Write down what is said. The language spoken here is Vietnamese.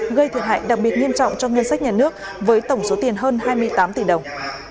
gây thiệt hại đặc biệt nghiêm trọng cho ngân sách nhà nước với tổng số tiền hơn hai mươi tám tỷ đồng